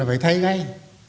thì thấy ngay